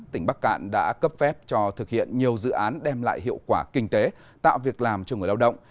tỉnh bắc cạn đã cấp phép cho thực hiện nhiều dự án đem lại hiệu quả kinh tế tạo việc làm cho người lao động